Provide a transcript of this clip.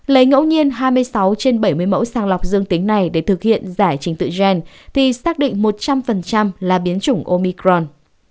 lấy ngẫu nhiên hai mươi sáu trên bảy mươi mẫu sàng lọc dương tính này để thực hiện giải trình tự gen thì xác định một trăm linh là biến chủng omicron